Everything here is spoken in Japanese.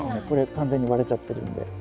これ完全に割れちゃってるんで。